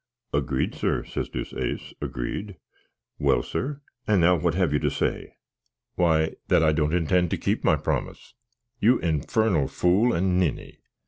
"Agreed, sir," says Deuceace; "agreed." "Well, sir, and now what have you to say?" "Why, that I don't intend to keep my promise! You infernal fool and ninny!